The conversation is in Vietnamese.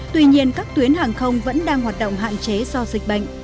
tuy nhiên các tuyến hàng không vẫn đang hoạt động hạn chế do dịch bệnh